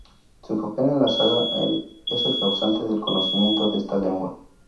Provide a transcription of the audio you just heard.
Su papel en la saga es el causante del conocimiento de esta lengua.